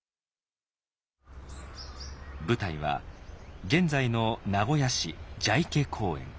舞台は現在の名古屋市蛇池公園。